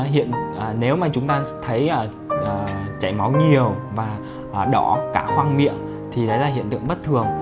hiện nếu mà chúng ta thấy chảy máu nhiều và đỏ cả khoang miệng thì đấy là hiện tượng bất thường